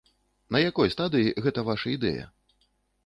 На якой стадыі гэта ваша ідэя?